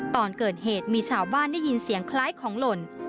ตอนเกิดเหตุมีชาวบ้านได้ยินเสียงคล้ายของหล่น